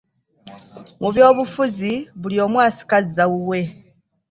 Mu by'obufuzi buli omu asika azza wuwe.